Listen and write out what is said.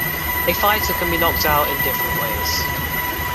A fighter can be knocked out in different ways.